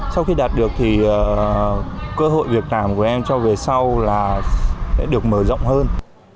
sau khi đạt được thì cơ hội việc làm của em cho về sau là sẽ được mở rộng hơn